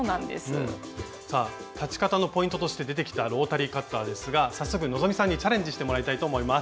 さあ裁ち方のポイントとして出てきたロータリーカッターですが早速希さんにチャレンジしてもらいたいと思います。